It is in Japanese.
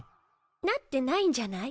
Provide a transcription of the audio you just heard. なってないんじゃない？